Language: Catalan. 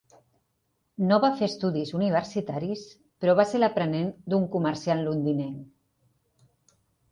No va fer estudis universitaris, però va ser l'aprenent d'un comerciant londinenc.